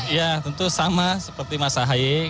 ya tentu sama seperti mas ahaye